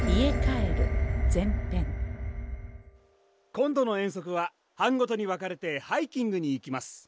・今度の遠足は班ごとに分かれてハイキングに行きます。